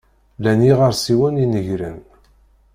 Llan yiɣersiwen inegren.